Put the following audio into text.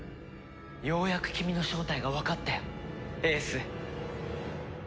ようやく君の正体がわかったよ英寿。